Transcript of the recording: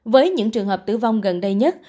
với những trường hợp tử vong gần đây nhất